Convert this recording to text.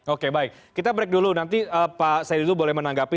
oke baik kita break dulu nanti pak said dulu boleh menanggapi